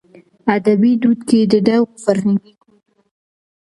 ادبي دود کې د دغو فرهنګي کوډونو